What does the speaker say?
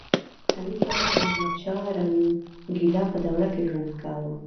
حمید بابا د محمدشاه رنګیلا په دوره کې ژوند کاوه